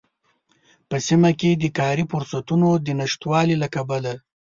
په سيمه کې د کاری فرصوتونو د نشتوالي له کبله